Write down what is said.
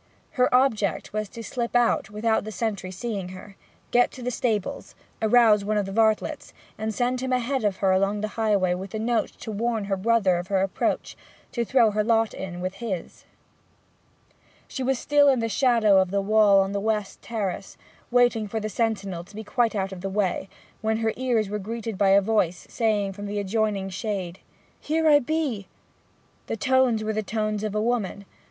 Her object was to slip out without the sentry seeing her, get to the stables, arouse one of the varlets, and send him ahead of her along the highway with the note to warn her brother of her approach, to throw in her lot with his. She was still in the shadow of the wall on the west terrace, waiting for the sentinel to be quite out of the way, when her ears were greeted by a voice, saying, from the adjoining shade 'Here I be!' The tones were the tones of a woman.